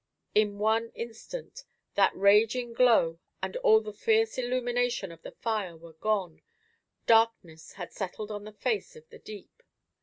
In one instant that raging glow and all the fierce illumination of the fire were gone; darkness had settled on the face of the deep.